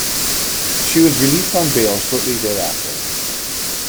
She was released on bail shortly thereafter.